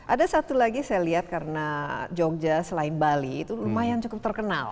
ada satu lagi saya lihat karena jogja selain bali itu lumayan cukup terkenal